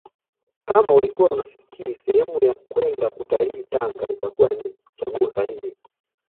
Kama ulikuwa unafikiria sehemu ya kwenda kutalii Tanga itakuwa ni chaguo sahihi